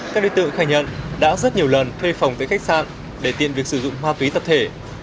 các đối tượng khai nhận đã rất nhiều lần thuê phòng tới khách sạn để tìm việc sử dụng ma túy tập thể